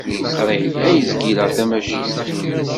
Qrib ay zgileɣ tamacint.